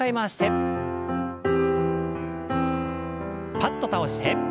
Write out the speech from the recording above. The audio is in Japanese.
パッと倒して。